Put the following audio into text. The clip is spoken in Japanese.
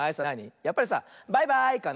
やっぱりさ「バイバーイ！」かな？